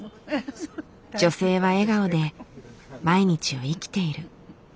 女性は笑顔で毎日を生きている。